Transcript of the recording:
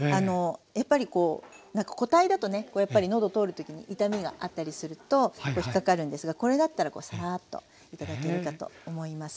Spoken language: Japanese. やっぱり固体だとね喉通る時に痛みがあったりすると引っ掛かるんですがこれだったらさらっと頂けるかと思います。